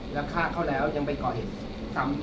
แล้วฆ่าเขาแล้วยังไปก่อเห็น